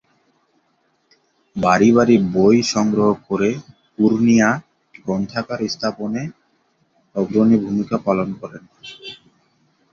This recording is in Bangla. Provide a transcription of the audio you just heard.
বাড়ি বাড়ি বই সংগ্রহ করে পূর্ণিয়া গ্রন্থাগার স্থাপনে অগ্রণী ভূমিকা গ্রহণ করেন।